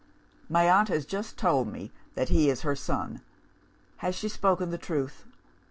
My aunt has just told me that he is her son. Has she spoken the truth?